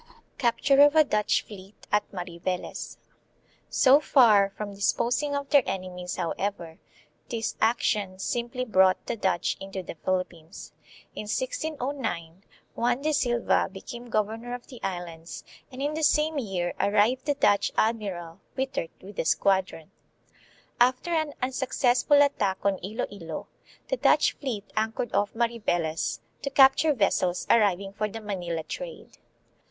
Capture of a Dutch Fleet at Mariveles. So far from disposing of their enemies, however, this action simply brought the Dutch into the Philippines. In 1609, Juan de Silva became governor of the Islands and in the same year arrived the Dutch admiral, Wittert, with a squadron. After an unsuccessful attack on Iloilo, the Dutch fleet anchored off Mariveles, to capture vessels arriving for the Manila trade.